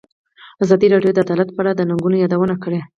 ازادي راډیو د عدالت په اړه د ننګونو یادونه کړې.